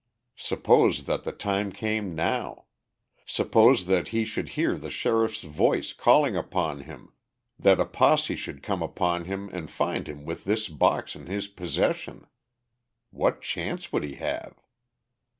Suppose that the time came now! Suppose that he should hear the sheriff's voice calling upon him, that a posse should come upon him and find him with this box in his possession! What chance would he have?